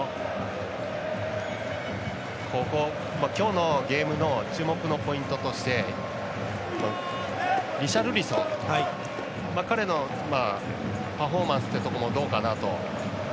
今日のゲームの注目のポイントとしてリシャルリソン彼のパフォーマンスっていうところもどうかなと。